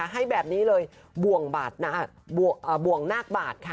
ให้แบบนี้เลยบ่วงนาคบาทค่ะ